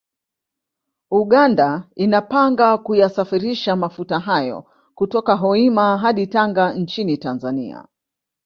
Uganda inapanga kuyasafirisha mafuta hayo kutoka Hoima hadi Tanga nchini Tanzania